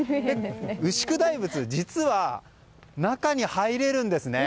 牛久大仏、中に入れるんですね。